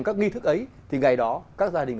các nghi thức ấy thì ngày đó các gia đình